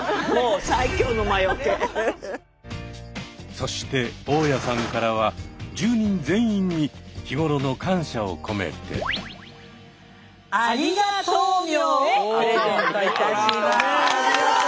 そして大家さんからは住人全員に日頃の感謝を込めて。をプレゼントいたします。